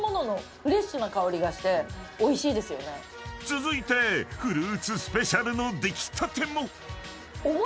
［続いてフルーツスペシャルの出来たても］